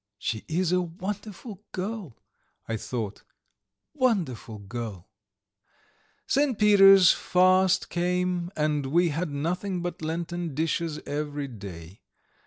"She is a wonderful girl!" I thought. "Wonderful girl!" St. Peter's fast came, and we had nothing but Lenten dishes every day.